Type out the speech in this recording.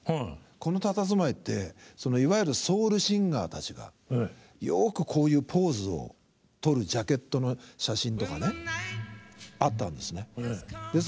このたたずまいっていわゆるソウルシンガーたちがよくこういうポーズをとるジャケットの写真とかねあったんですね。